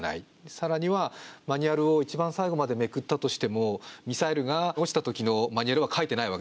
さらにはマニュアルを一番最後までめくったとしてもミサイルが落ちたときのマニュアルは書いてないわけですよね。